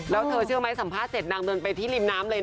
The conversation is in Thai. แล้วเธอเชื่อไหมสัมภาษณ์เสร็จนางเดินไปที่ริมน้ำเลยนะ